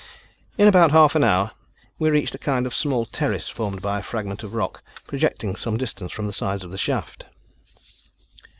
In about half an hour we reached a kind of small terrace formed by a fragment of rock projecting some distance from the sides of the shaft.